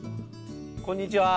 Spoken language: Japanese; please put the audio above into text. こんにちは。